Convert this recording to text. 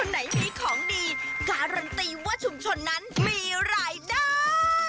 ไหนมีของดีการันตีว่าชุมชนนั้นมีรายได้